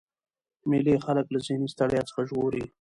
مېلې خلک له ذهني ستړیا څخه ژغوري.